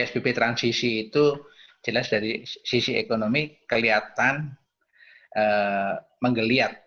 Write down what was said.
dan juga dari sisi ekonomi yang diperlukan untuk mengeliat